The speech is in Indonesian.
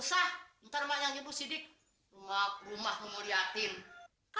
siapa yang punggu lo